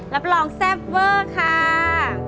รับรองแซ่บเวอร์ค่ะ